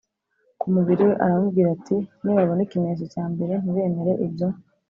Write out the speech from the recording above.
ku mubiri we Aramubwira ati nibabona ikimenyetso cya mbere ntibemere ibyo